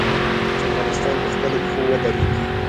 چې افغانستان په خپلو پښو ودریږي.